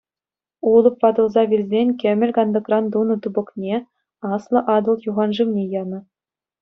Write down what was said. Улӑп ватӑлса вилсен кӗмӗл кантӑкран тунӑ тупӑкне Аслӑ Атӑл юхан шывне янӑ.